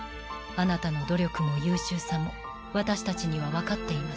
あなたの努力も優秀さも私たちには分かっています。